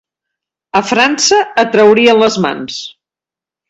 A França et traurien les mans.